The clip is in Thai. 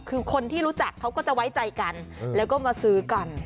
คือคนที่รู้จักเขาก็จะไว้ใจกันแล้วก็มาซื้อกัน